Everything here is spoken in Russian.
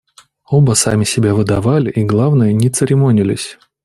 Оба сами себя выдавали и, главное, не церемонились.